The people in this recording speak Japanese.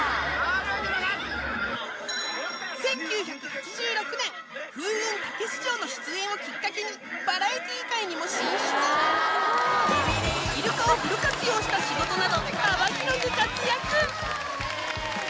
１９８６年『風雲！たけし城』の出演をきっかけにバラエティー界にも進出イルカをフル活用した仕事など幅広く活躍